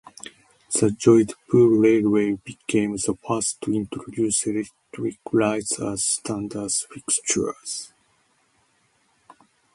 The Jodhpur Railway became the first to introduce electric lights as standard fixtures.